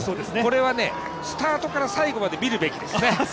これはね、スタートから最後まで見るべきですね。